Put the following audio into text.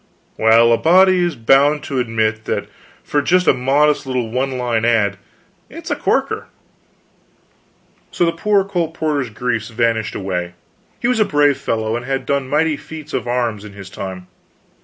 "Well, a body is bound to admit that for just a modest little one line ad, it's a corker." So the poor colporteur's griefs vanished away. He was a brave fellow, and had done mighty feats of arms in his time.